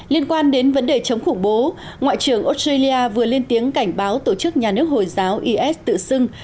liên quan đến vấn đề chống khủng bố ngoại trưởng australia vừa lên tiếng cảnh báo tổ chức nhà nước hồi giáo is tự xưng